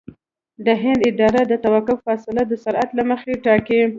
د هند اداره د توقف فاصله د سرعت له مخې ټاکي